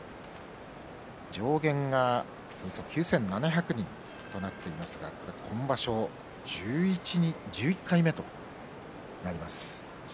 上限が、およそ９７００人となっていますが今場所、１１回目となります。